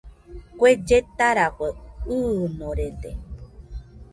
Kue lletarafue ɨɨnorede